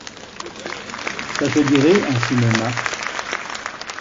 ça te dirait un cinéma?